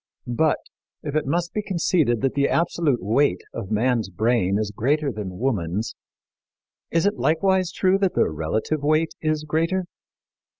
But, if it must be conceded that the absolute weight of man's brain is greater than woman's, is it likewise true that the relative weight is greater?